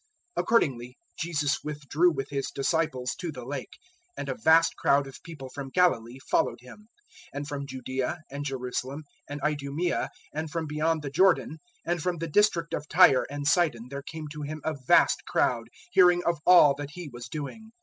003:007 Accordingly Jesus withdrew with His disciples to the Lake, and a vast crowd of people from Galilee followed Him; 003:008 and from Judaea and Jerusalem and Idumaea and from beyond the Jordan and from the district of Tyre and Sidon there came to Him a vast crowd, hearing of all that He was doing.